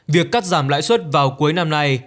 việc cắt giảm lãi suất vào cuối năm nay